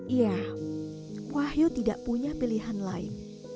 iya wahyu tidak punya pilihan lain